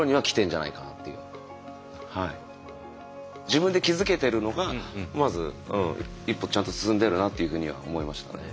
自分で気付けてるのがまず一歩ちゃんと進んでるなっていうふうには思いましたね。